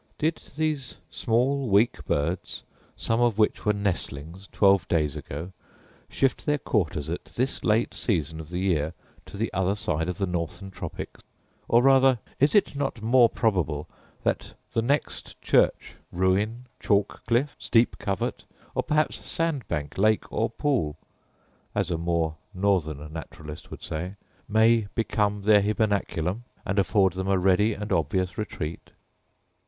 Did these small weak birds, some of which were nestlings twelve days ago, shift their quarters at this late season of the year to the other side of the northern tropic? Or rather, is it not more probable that the next church, ruin, chalk cliff, steep covert, or perhaps sandbank, lake or pool (as a more northern naturalist would say), may become their hybernaculum, and afford them a ready and obvious retreat?